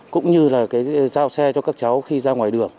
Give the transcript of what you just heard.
cũng như là cái giao xe cho các cháu khi ra ngoài đường